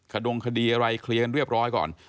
ดงคดีอะไรเคลียร์กันเรียบร้อยก่อน